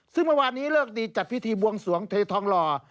ซึ่งเมื่อวานนี้เลิกดีจัดพิธีบวงสวงเททองหล่อ